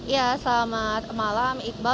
ya selamat malam iqbal